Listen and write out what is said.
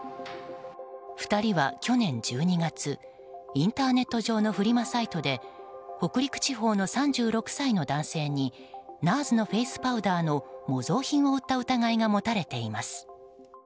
２人は去年１２月インターネット上のフリマサイトで北陸地方の３６歳の男性にＮＡＲＳのフェイスパウダーの模造品を売った疑いが持たれています。